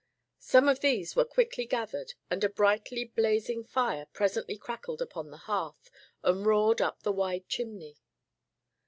Some of these were quickly gathered and a brightly blazing fire presently crackled upon the hearth and roared up the wide chimney.